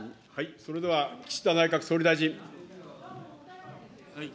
それでは岸田内閣総理大臣。